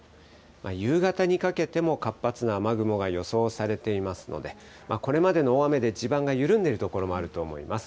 夕方にかけても活発な雨雲が予想されていますので、これまでの大雨で地盤が緩んでいる所もあると思います。